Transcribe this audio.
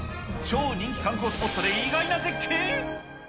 超人気観光スポットで意外な絶景？